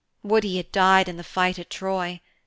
Would he had died in the fight at Troy!